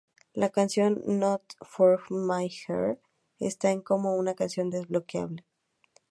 La canción "Nothing For Me Here" Está en como una canción desbloqueable.